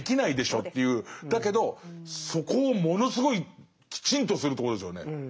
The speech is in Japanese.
だけどそこをものすごいきちんとするところですよね。